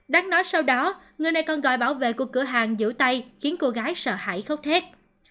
đáng nói sau đó người này còn gọi bảo vệ của cửa hàng giữ tay khiến cô gái sợ hãi khốc hết